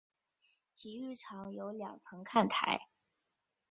体育场有两层看台。